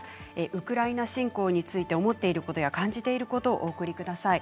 ウクライナ侵攻について思っていることや感じていることをお送りください。